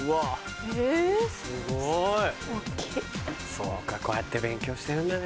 そうかこうやって勉強してるんだね